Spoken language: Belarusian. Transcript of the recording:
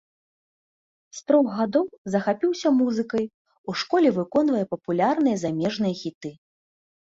З трох гадоў захапіўся музыкай, у школе выконвае папулярныя замежныя хіты.